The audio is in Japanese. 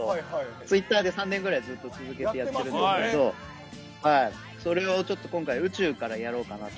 ツイッターで３年ぐらいずっと続けてやってるんですけど、それをちょっと今回、宇宙からやろうかなと。